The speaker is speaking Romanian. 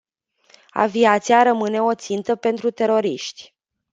Aviația rămâne o țintă pentru teroriști.